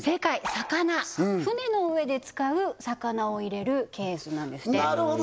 魚船の上で使う魚を入れるケースなんですってなるほど！